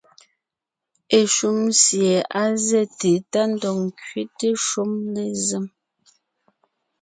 Eshúm sie á zɛ́te tá ńdɔg ńkẅéte shúm lézém.